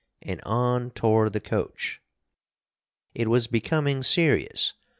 And on tore the coach. It was becoming serious.